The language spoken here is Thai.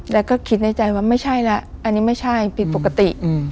แล้วก็คิดในใจว่าไม่ใช่แล้วอันนี้ไม่ใช่ผิดปกติ